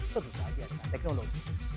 tentu saja dengan teknologi